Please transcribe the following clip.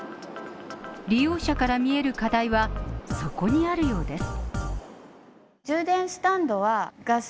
利用者から見える課題はそこにあるようです。